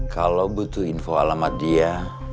kalau butuh info alamat dia